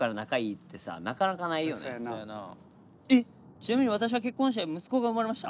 「ちなみに私は結婚して息子が生まれました」。